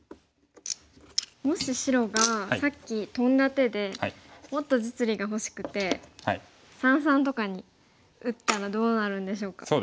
もし白がさっきトンだ手でもっと実利が欲しくて三々とかに打ったらどうなるんでしょうか。